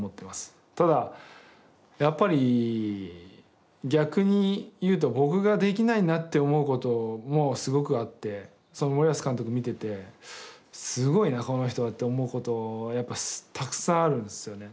ただやっぱり逆に言うと僕ができないなって思うこともすごくあって森保監督見ててすごいなこの人はって思うことはやっぱたくさんあるんですよね。